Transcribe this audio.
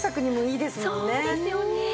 そうですよね！